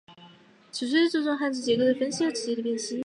此书注重对汉字结构的分析和词义的辨析。